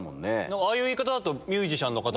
ああいう言い方だと。